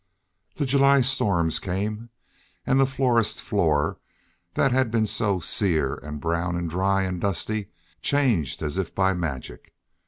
The July storms came, and the forest floor that had been so sear and brown and dry and dusty changed as if by magic.